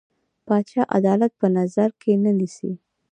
پاچا عدالت په نظر کې نه نيسي.